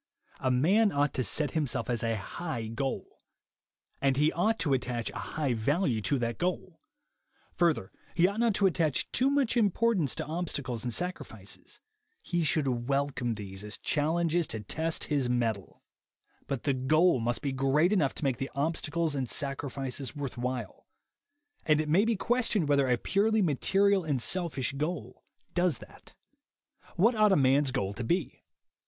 A man ought to set himself a high goal, and he ought to attach a high value to that goal. Further, he ought not to attach too much importance to obstacles and sacrifices; he should welcome these as challenges to test his mettle. But the goal must be great enough to make the obstacles and sac rifices worth while; and it may be questioned whether a purely material and selfish goal does that. What ought a man's goal to be?